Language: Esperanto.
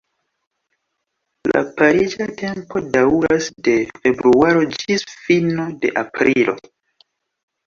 La pariĝa tempo daŭras de februaro ĝis fino de aprilo.